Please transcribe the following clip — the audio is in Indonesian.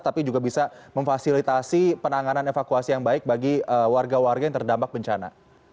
tapi juga bisa memfasilitasi penanganan evakuasi yang baik bagi warga warga yang terdampak bencana